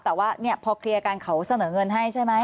แต่ว่าพอเคลียร์กันเขาเสนอเงินให้ใช่ไหม